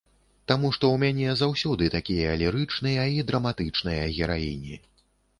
Таму што ў мяне заўсёды такія лірычныя і драматычныя гераіні.